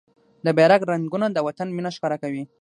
د بېرغ رنګونه د وطن مينه ښکاره کوي.